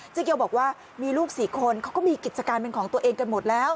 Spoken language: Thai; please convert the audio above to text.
เกียวบอกว่ามีลูก๔คนเขาก็มีกิจการเป็นของตัวเองกันหมดแล้ว